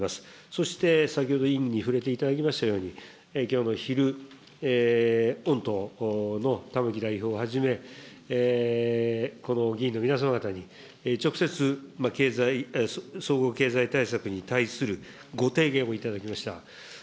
そして先ほど委員に触れていただきましたように、きょうの昼、御党の玉木代表をはじめ、この議員の皆様方に直接、総合経済対策に対するご提言をいただきました。